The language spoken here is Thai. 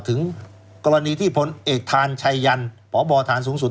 ถึงกรณีที่พลเอกทานชัยยันพบฐานสูงสุด